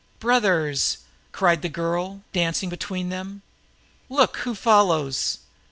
"Brothers!" cried the girl, dancing between them. "Look who follows!